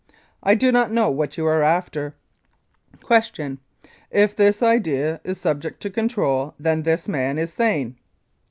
I do not know what you are after. Q. If this idea is subject to control, then this man is sane?